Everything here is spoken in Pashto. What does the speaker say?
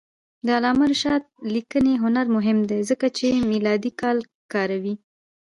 د علامه رشاد لیکنی هنر مهم دی ځکه چې میلادي کال کاروي.